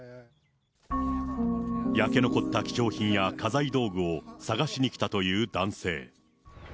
焼け残った貴重品や家財道具を捜しにきたという男性。